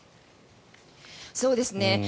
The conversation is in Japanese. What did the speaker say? そうですね。